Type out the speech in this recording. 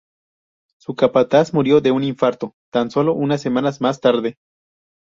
Su capataz murió de un infarto, tan sólo unas semanas más tarde.